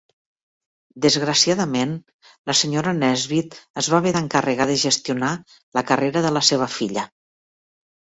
Desgraciadament, la senyora Nesbit es va haver d'encarregar de gestionar la carrera de la seva filla.